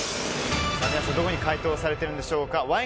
皆さん、どこに解答されているんでしょうか。